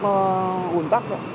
nó ủn tắc